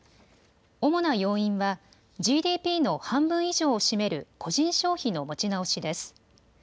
主な要因はＧＤＰの半分以上を占める個人消費の持ち直しです。